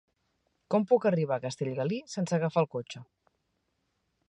Com puc arribar a Castellgalí sense agafar el cotxe?